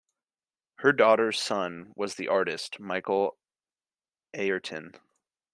Her daughter's son was the artist, Michael Ayrton.